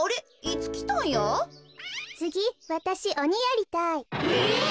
つぎわたしおにやりたい。え！？